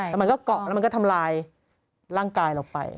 แล้วมันก็เกาะแล้วมันก็ทำลายร่างกายเราไป